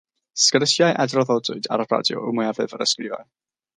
Sgyrsiau a draddodwyd ar y radio yw mwyafrif yr ysgrifau.